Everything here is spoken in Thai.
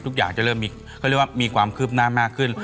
ทุกอย่างจะเริ่มมีความคืบหน้ามากขึ้น